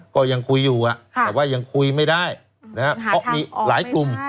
ก็ยังคุยอยู่ะแต่ว่ายังคุยไม่ได้มีหลายกลุ่ม